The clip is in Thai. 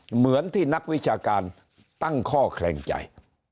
เหมือนที่นักวิชาการตั้งข้อแขลงใจ